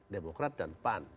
demokrat dan pan